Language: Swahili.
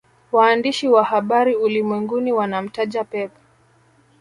Waandishi wa habari ulimwenguni wanamtaja Pep